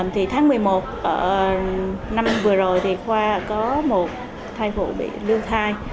thì tháng một mươi một năm vừa rồi thì khoa có một thai phụ bị lương thai